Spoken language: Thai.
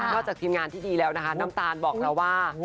จากทีมงานที่ดีแล้วนะคะน้ำตาลบอกเราว่า